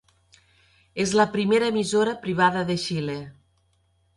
És la primera emissora privada de Xile.